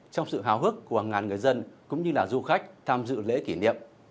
trong sự hào hức của hàng ngàn người dân cũng như là du khách tham dự lễ kỷ niệm